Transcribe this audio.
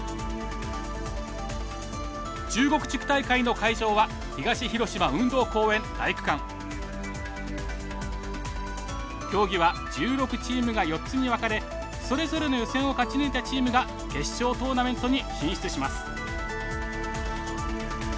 中国地区大会の会場は競技は１６チームが４つに分かれそれぞれの予選を勝ち抜いたチームが決勝トーナメントに進出します。